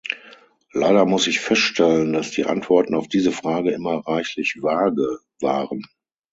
Leider muss ich feststellen, dass die Antworten auf diese Frage immer reichlich vage waren.